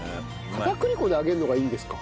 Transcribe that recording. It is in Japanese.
片栗粉で揚げるのがいいんですか？